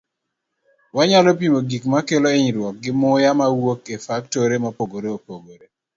Wanyalo pimo gik ma kelo hinyruok gi muya mawuok e faktori mopogore opogore.